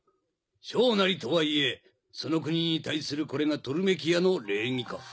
小なりとはいえその国に対するこれがトルメキアの礼儀か？